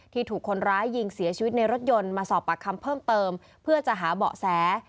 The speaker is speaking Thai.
ถูกคนร้ายยิงเสียชีวิตในรถยนต์มาสอบปากคำเพิ่มเติมเพื่อจะหาเบาะแส